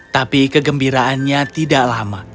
tapi kegembiraannya tidak lama